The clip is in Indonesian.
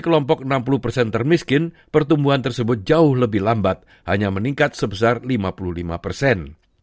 kelompok enam puluh persen termiskin pertumbuhan tersebut jauh lebih lambat hanya meningkat sebesar lima puluh lima persen